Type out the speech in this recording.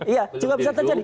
iya juga bisa terjadi